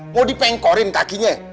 mau dipengkorin kakinya